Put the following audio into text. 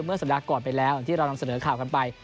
เมื่อสัปดาห์ก่อนไปแล้วที่เรานำเสนอข่าวกันไป